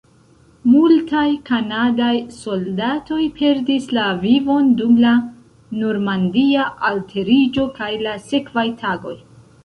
Multaj kanadaj soldatoj perdis la vivon dum la Normandia alteriĝo kaj la sekvaj tagoj.